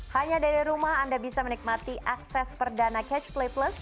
hanya dari rumah anda bisa menikmati akses perdana catch play plus